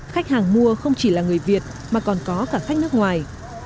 khách hàng mua không chỉ là người việt mà còn có cả khách nước ngoài